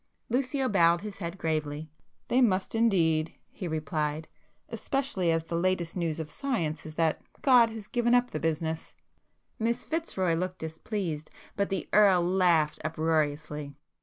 Lucio bowed his head gravely. [p 132]"They must indeed," he replied—"Especially as the latest news of science is that God has given up the business." Miss Fitzroy looked displeased,—but the Earl laughed uproariously.